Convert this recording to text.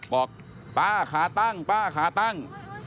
บอกป้าขาตั้งป้าขาตั้ง